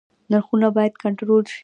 نرخونه باید کنټرول شي